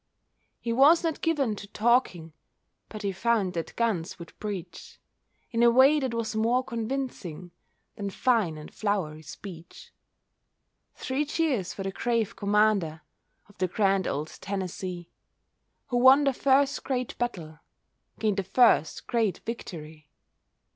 He was not given to talking, But he found that guns would preach In a way that was more convincing Than fine and flowery speech Three cheers for the grave commander Of the grand old Tennessee! Who won the first great battle— Gained the first great victory.